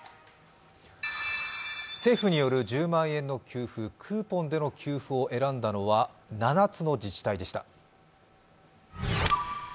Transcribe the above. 政府による１０万円の給付クーポンによる給付を選んだのは７つの自治体でした。